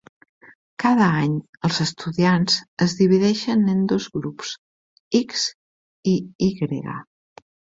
Cada any, els estudiants es divideixen en dos grups, x i y.